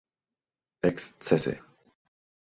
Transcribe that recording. ekscese